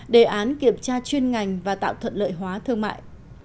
đề án kiểm tra chuyên ngành và tạo thuận lợi hóa thương mại